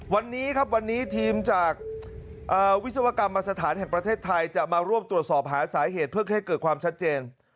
วันนี้ครับวันนี้ทีมจากวิศวกรรมสถานแห่งประเทศไทยจะมาร่วมตรวจสอบหาสาเหตุเพื่อให้เกิดความชัดเจน